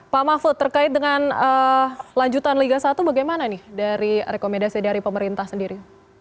pak mahfud terkait dengan lanjutan liga satu bagaimana nih dari rekomendasi dari pemerintah sendiri